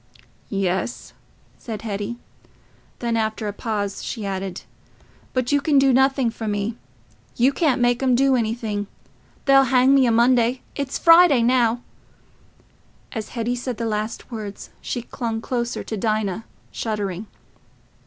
"Yes," said Hetty. Then, after a pause, she added, "But you can do nothing for me. You can't make 'em do anything. They'll hang me o' Monday—it's Friday now." As Hetty said the last words, she clung closer to Dinah, shuddering.